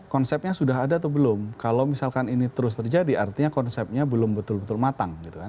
konsepnya sudah ada atau belum kalau misalkan ini terus terjadi artinya konsepnya belum betul betul matang